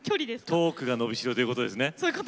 トークがのびしろということですね。